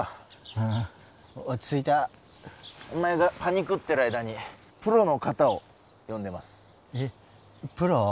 ああ落ち着いたお前がパニクってる間にプロの方を呼んでますえっプロ？